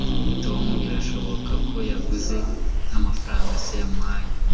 tom birashoboka ko yaguze namafaranga se yamuhaye